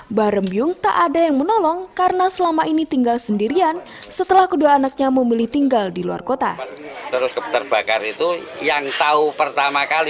mbah rembiung tak ada yang menolong karena selama ini tinggal sendirian setelah kedua anaknya memilih tinggal di luar kota